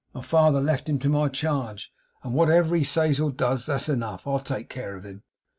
My father left him to my charge; and whatever he says or does, that's enough. I'll take care of him.